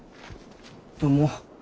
どうも。